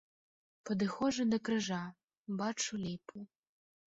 Падыходжу да крыжа, бачу ліпу.